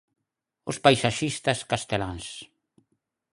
Os paisaxistas casteláns.